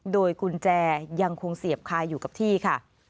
โดยกุญแจยังคงเสียบคาอยู่กับที่ค่ะ